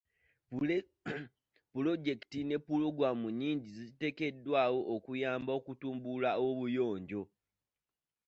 Pulojekiti ne pulogulaamu nnyingi ziteekeddwawo okuyamba okutumbula obuyonjo.